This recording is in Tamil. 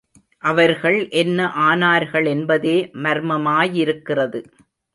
அவர்கள் என்ன ஆனார்களென்பதே மர்மமாயிருக்கிறது.